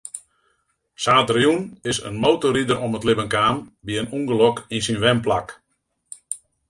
Saterdeitejûn is in motorrider om it libben kaam by in ûngelok yn syn wenplak.